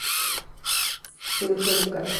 Cirugía Bucal.